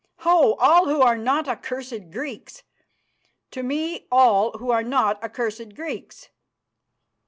Ho! all who are not accursed Greeks. To me all who are not accursed Greeks!"